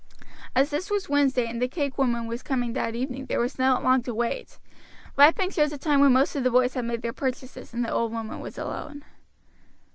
As this was Wednesday and the cake woman was coming that evening there was not long to wait. Ripon chose a time when most of the boys had made their purchases and the old woman was alone.